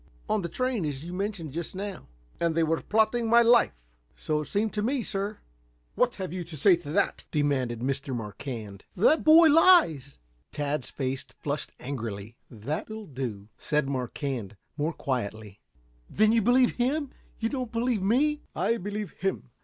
"On the train, as you mentioned just now." "And they were plotting my life?" "So it seemed to me, sir." "What have you to say to that?" demanded Mr. Marquand. "That the boy lies!" Tad's face flushed angrily. "That'll do," said Marquand, more quietly. "Then you believe him you do not believe me?" "I believe him.